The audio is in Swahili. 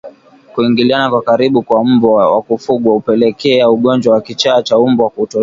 Kuingiliana kwa karibu kwa mbwa wa kufugwa hupelekea ugonjwa wa kichaa cha mbwa kutokea